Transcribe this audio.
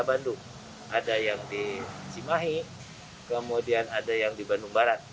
ada bandung ada yang di cimahi kemudian ada yang di bandung barat